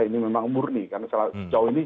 ini memang murni karena sejauh ini